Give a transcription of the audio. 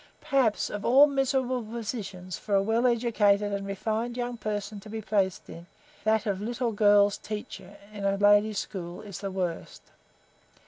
Perhaps, of all miserable positions for a well educated and refined young person to be placed in, that of "little girls' teacher" in a lady's school is the worst.